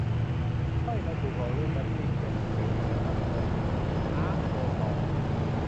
เฮ้ย เราถูกหลอกเรืองเป็ปซี่เขียว ! มันเขียวอยู่แล้ว ถ้าไม่เติมสี อ๊าก โดนหลอก